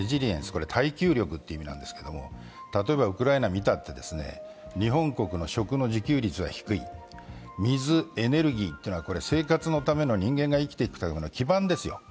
これ耐久力って意味なんですけど、例えばウクライナを見たって日本国の食の自給率は低い水、エネルギーってのは生活のために人間が生きていくための基盤ですよ。